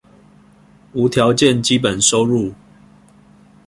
無條件基本收入